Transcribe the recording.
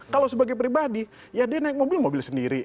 kalau sebagai pribadi ya dia naik mobil mobil sendiri